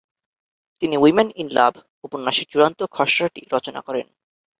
তিনি women in love উপন্যাসের চূড়ান্ত খসড়াটি রচনা করেন।